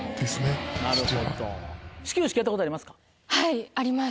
はいあります。